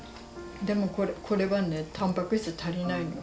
でもこれはねたんぱく質足りないのよ